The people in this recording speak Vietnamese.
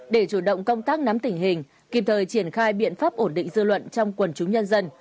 để chủ động công tác nắm tình hình kịp thời triển khai biện pháp ổn định dư luận trong quần chúng nhân dân